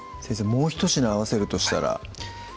もうひと品合わせるとしたら？